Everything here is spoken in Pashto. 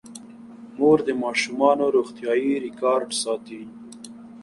مور د ماشومانو روغتیايي ریکارډ ساتي.